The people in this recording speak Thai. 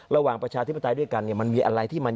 ระหว่างประชาธิปไตยด้วยกันมันมีอะไรที่มัน